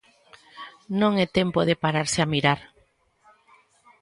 Non é tempo de pararse a mirar.